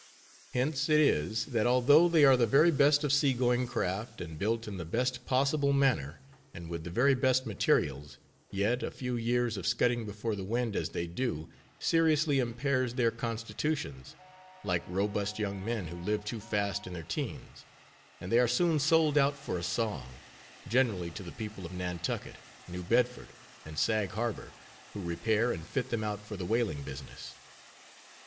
Hence it is, that although they are the very best of sea going craft, and built in the best possible manner, and with the very best materials, yet, a few years of scudding before the wind, as they do, seriously impairs their constitutions— like robust young men, who live too fast in their teens—and they are soon sold out for a song; generally to the people of Nantucket, New Bedford, and Sag Harbor, who repair and fit them out for the whaling business.